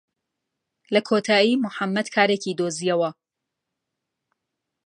لە کۆتایی موحەممەد کارێکی دۆزییەوە.